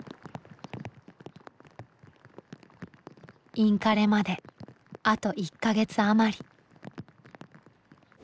インカレまであと１か月あまり。